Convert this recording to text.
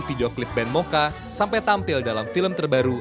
video klip band mocha sampai tampil dalam film terbaru